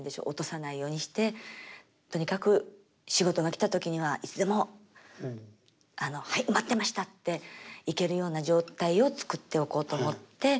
落とさないようにしてとにかく仕事が来た時にはいつでも「はい待ってました」って行けるような状態を作っておこうと思って。